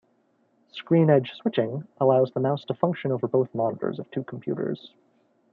Screen-edge switching allows the mouse to function over both monitors of two computers.